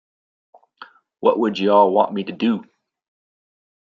What would y'all want me to do?